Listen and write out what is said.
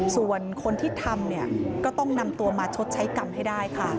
ส่วนคนที่ทำเนี่ยก็ต้องนำตัวมาชดใช้กรรมให้ได้ค่ะ